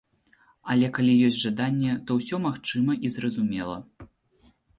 Але калі ёсць жаданне, то ўсё магчыма і зразумела.